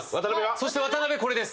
そして、渡邊、これです。